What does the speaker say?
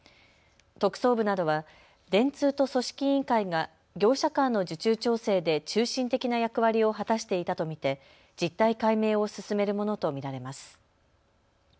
特捜部などは電通と組織委員会が業者間の受注調整で中心的な役割を果たしていたと見て実態解明を進めるものと見られます。